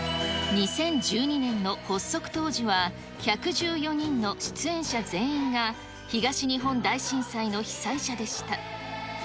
２０１２年の発足当時は１１４人の出演者全員が、東日本大震災の被災者でした。